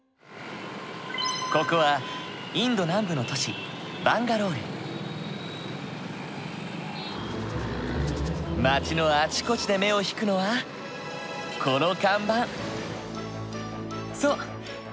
ここはインド南部の都市街のあちこちで目を引くのはこの看板。